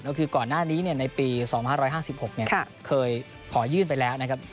ก็คือก่อนหน้านี้ในปี๒๕๕๖เคยขอยื่นไปแล้วนะครับ